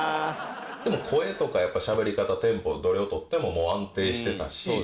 でも声とかしゃべり方テンポどれを取っても安定してたし。